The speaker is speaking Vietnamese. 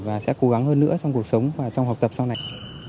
và sẽ cố gắng hơn nữa trong cuộc sống và trong học tập sau này